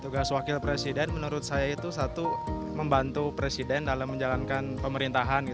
tugas wakil presiden menurut saya itu satu membantu presiden dalam menjalankan pemerintahan